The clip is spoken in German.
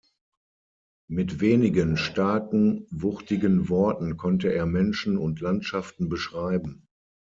Mit wenigen starken, wuchtigen Worten konnte er Menschen und Landschaften beschreiben.